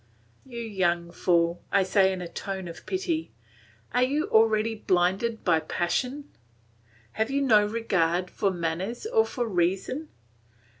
"You young fool!" I said in a tone of pity, "are you already blinded by passion? Have you no regard for manners or for reason?